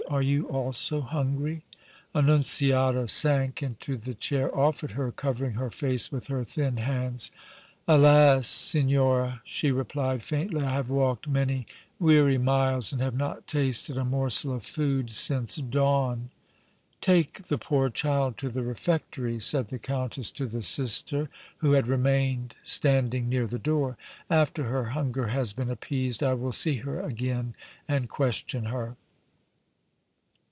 Are you also hungry?" Annunziata sank into the chair offered her, covering her face with her thin hands. "Alas! signora," she replied, faintly, "I have walked many weary miles and have not tasted a morsel of food since dawn!" "Take the poor child to the refectory," said the Countess to the Sister, who had remained standing near the door. "After her hunger has been appeased, I will see her again and question her."